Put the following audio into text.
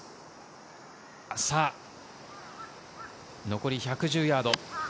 残り１１０ヤード。